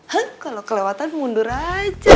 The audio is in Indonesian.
hah kalau kelewatan mundur aja